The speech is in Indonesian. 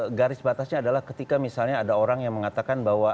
nah garis batasnya adalah ketika misalnya ada orang yang mengatakan bahwa